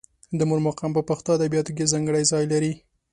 د مور مقام په پښتو ادبیاتو کې ځانګړی ځای لري.